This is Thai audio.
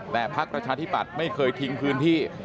แต่พักประชาธิปัตย์ไม่เคยทิ้งพื้นที่